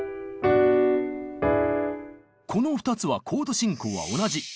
この２つはコード進行は同じ。